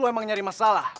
lo emang nyari masalah